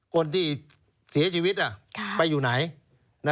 คนที่เสียชีวิตไปอยู่ไหน